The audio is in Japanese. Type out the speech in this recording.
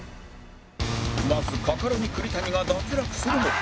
まずカカロニ栗谷が脱落するも